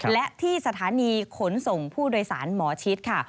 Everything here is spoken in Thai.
และที่สถานีขนส่งผู้โดยสารหมอชิดค่ะ